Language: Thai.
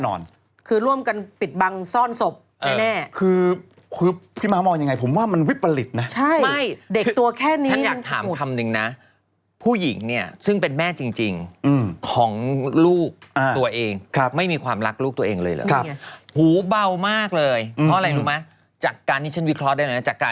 ก็เลยต้องสืบหาสาเหตุกันต่อว่าอะไรคือความจริงกันแน่